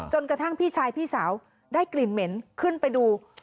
กระทั่งพี่ชายพี่สาวได้กลิ่นเหม็นขึ้นไปดู